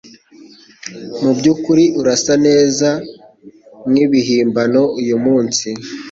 Mubyukuri urasa neza nkibihimbano uyumunsi.